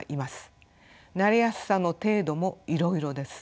なりやすさの程度もいろいろです。